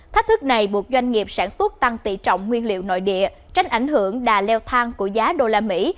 thách thức này buộc doanh nghiệp sản xuất tăng tỷ trọng nguyên liệu nội địa tránh ảnh hưởng đà leo thang của giá đô la mỹ